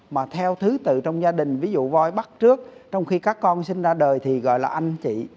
mà theo thứ tự trong gia đình ví dụ voi bắt trước trong khi các con sinh ra đời thì gọi là anh chị